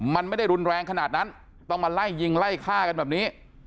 มันไม่ได้รุนแรงขนาดนั้นต้องมาไล่ยิงไล่ฆ่ากันแบบนี้